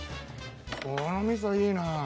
この味噌いいな。